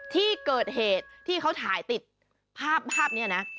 ที่เกิดเหตุที่เขาถ่ายติดภาพภาพนี้นะ